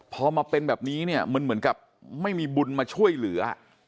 พอมาเป็นแบบนี้เนี่ยมันเหมือนกับไม่มีบุญมาช่วยเหลือ